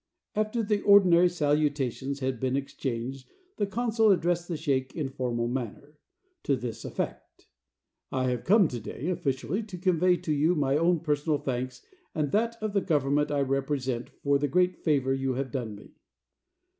After the ordinary salutations had been exchanged, the consul addressed the sheik in formal manner, to this effect: "I have come to day, officially to convey to you my own personal thanks and that of the government I represent for the great favor you have done me."